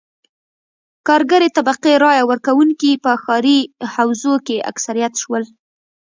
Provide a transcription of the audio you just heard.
کارګرې طبقې رایه ورکوونکي په ښاري حوزو کې اکثریت شول.